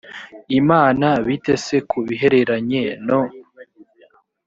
imana bite se ku bihereranye no